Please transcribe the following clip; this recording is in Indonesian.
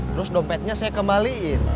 terus dompetnya saya kembaliin